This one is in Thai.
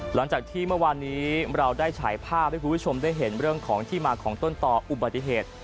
หลังจากที่เมื่อวานนี้เราได้ฉายภาพให้คุณผู้ชมได้เห็นเรื่องของที่มาของต้นต่ออุบัติเหตุ